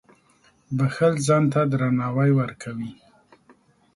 • بښل ځان ته درناوی ورکوي.